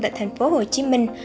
tại thành phố hồ chí minh